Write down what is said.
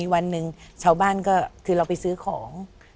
วันหนึ่งชาวบ้านก็คือเราไปซื้อของ